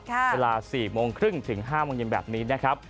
เวลา๔โมงครึ่งถึง๕โมงเย็นแบบนี้นะครับ